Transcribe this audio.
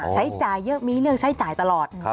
ใช้จ่ายเยอะมีเรื่องใช้จ่ายตลอด